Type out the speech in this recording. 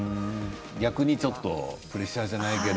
逆にプレッシャーじゃないけど。